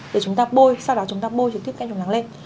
để chúng ta bôi sau đó chúng ta bôi trực tiếp kem chống nắng lên